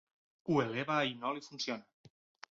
Ho eleva i no li funciona.